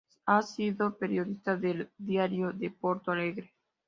Ha sido periodista de "Diário de Porto Alegre".